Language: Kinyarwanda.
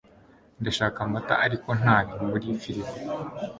ndashaka amata, ariko ntayo muri firigo